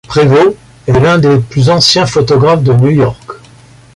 Prevost est l'un des plus anciens photographes de New York.